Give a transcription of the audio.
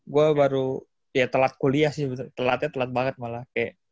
gua baru ya telat kuliah sih telatnya telat banget malah